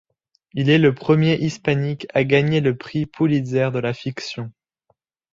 Il est le premier hispanique à gagner le prix Pulitzer de la fiction.